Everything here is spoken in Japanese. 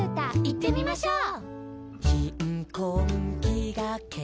いってみましょう！